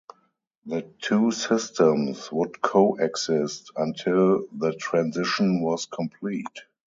The two systems would coexist until the transition was complete.